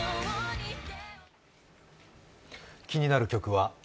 気になる曲は？